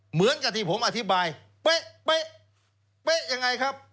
เหมือนกับที่ผมอธิบายเป๊ะเป๊ะยังไงครับ